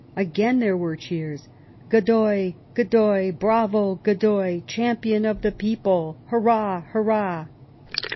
Again there were cheers. "Godoy! Godoy! Bravo, Godoy! Champion of the People! Hurrah, hurrah!"